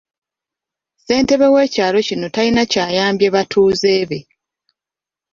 Ssentebe w’ekyalo kino talina ky’ayambye batuuze be.